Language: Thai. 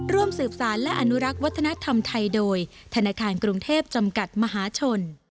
ร่วมสืบสารและอนุรักษ์วัฒนธรรมไทยโดยธนาคารกรุงเทพจำกัดมหาชน